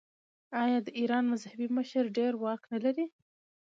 آیا د ایران مذهبي مشر ډیر واک نلري؟